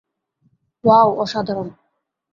Wow, অসাধারণ।